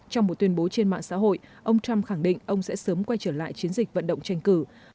trong một tuyên bố trên mạng xã hội ông trump khẳng định ông sẽ sớm quay trở lại chiến dịch vận động tranh cử